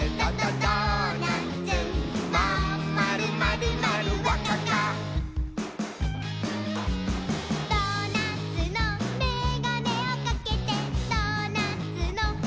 「ドーナツのメガネをかけてドーナツのＵＦＯみたぞ」